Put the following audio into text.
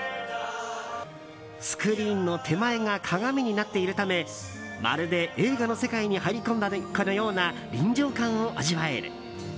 スクリーンの手前が鏡になっているためまるで、映画の世界に入り込んだかのような臨場感を味わえる。